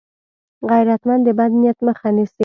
غیرتمند د بد نیت مخه نیسي